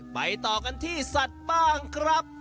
ไปต่อกันที่สัตว์บ้างครับ